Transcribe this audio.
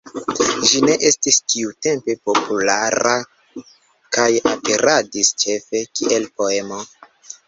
Ĝi ne estis tiutempe populara kaj aperadis ĉefe kiel poemo.